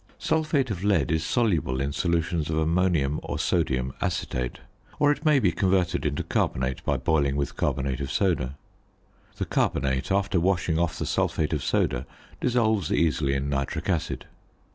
Sulphate of lead is soluble in solutions of ammonium or sodium acetate; or it may be converted into carbonate by boiling with carbonate of soda. The carbonate, after washing off the sulphate of soda, dissolves easily in nitric acid.